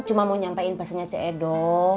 cuma mau nyampaikan pesannya cik edo